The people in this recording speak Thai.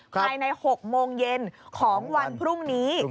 ภายใน๖โมงเย็นของวันพรุ่งนี้